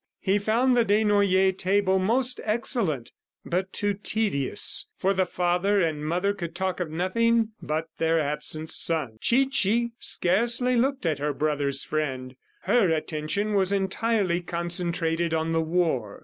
He found the Desnoyers table most excellent, but too tedious for the father and mother could talk of nothing but their absent son. Chichi scarcely looked at her brother's friend. Her attention was entirely concentrated on the war.